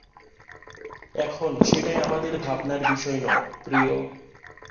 এখন, সেইটা আমাদের ভাবনার বিষয় নয়, প্রিয়।